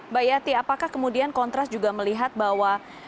mbak yati apakah kemudian kontras juga melihat bahwa